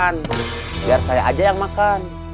biar saya aja yang makan